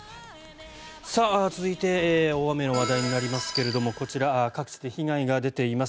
さあ、続いて大雨の話題になりますがこちら各地で被害が出ています。